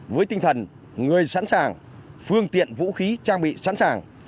với tinh thần người sẵn sàng phương tiện vũ khí trang bị sẵn sàng